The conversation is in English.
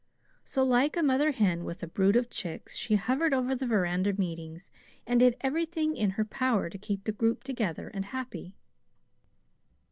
So, like a mother hen with a brood of chickens, she hovered over the veranda meetings, and did everything in her power to keep the group together and happy.